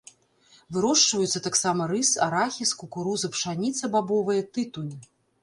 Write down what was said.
Вырошчваюцца таксама рыс, арахіс, кукуруза, пшаніца, бабовыя, тытунь.